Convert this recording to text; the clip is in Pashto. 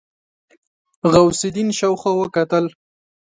غوث الدين شاوخوا وکتل.